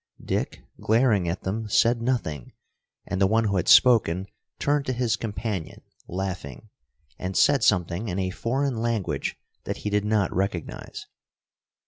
Dick, glaring at them, said nothing, and the one who had spoken turned to his companion, laughing, and said something in a foreign language that he did not recognize.